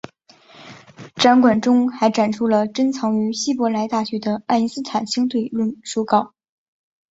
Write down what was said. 展馆中还展出了珍藏于希伯来大学的爱因斯坦相对论手稿。